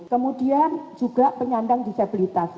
kemudian juga penyandang disabilitas